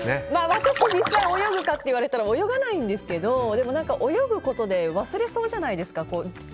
私、実際に泳ぐかといわれたら泳がないんですけどでも、泳ぐことで忘れそうじゃないですか。